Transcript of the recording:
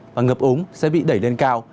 và ngập úng sẽ bị đẩy lên cao